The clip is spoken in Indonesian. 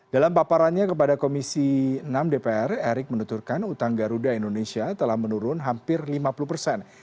dalam paparannya kepada komisi enam dpr erick menuturkan utang garuda indonesia telah menurun hampir lima puluh persen